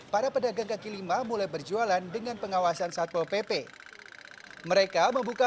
para pedagang kaki lima mulai berjualan dengan pengawasan satpol pp mereka membuka